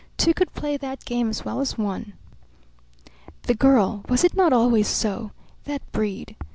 Two could play that game as well as one. The girl. Was it not always so? That breed!